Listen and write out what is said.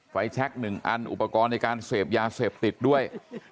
แช็ค๑อันอุปกรณ์ในการเสพยาเสพติดด้วย